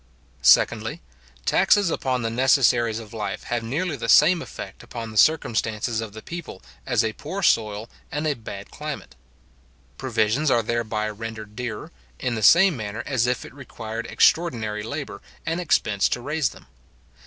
Secondly, Taxes upon the necessaries of life have nearly the same effect upon the circumstances of the people as a poor soil and a bad climate. Provisions are thereby rendered dearer, in the same manner as if it required extraordinary labour and expense to raise them.